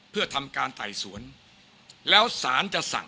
เพื่อทำการไต่สวนแล้วสารจะสั่ง